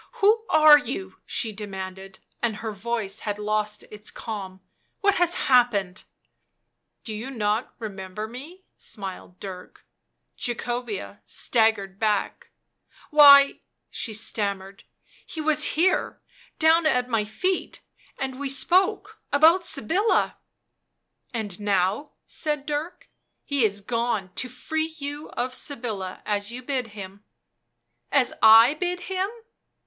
" Who are you?" she demanded, and her voice had lost its calm; " what has happened?" " Do you not remember me?" smiled Dirk. Jacobea staggered back. " Why," she stammered, u he was here, down at my feet, and we spoke — about Sybilla." <c And now," said Dirk, " he is gone to free you of Sybilla — as you bid him." "As I bid him?"